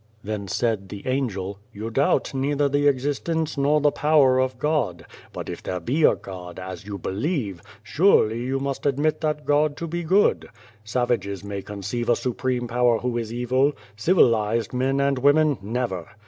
Then said the Angel :" You doubt neither the existence nor the power of God, but if there be a God, as you believe, surely you must admit that God to be good. Savages may conceive a Supreme Power who is evil ; civilised men and women, never.